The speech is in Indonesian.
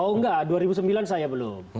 oh enggak dua ribu sembilan saya belum